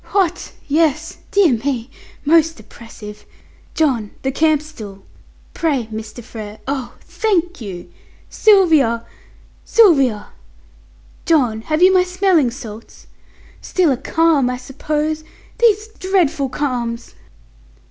Hot! Yes, dear me, most oppressive. John, the camp stool. Pray, Mr. Frere oh, thank you! Sylvia! Sylvia! John, have you my smelling salts? Still a calm, I suppose? These dreadful calms!"